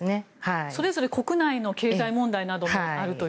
それぞれ国内の経済問題などもあると。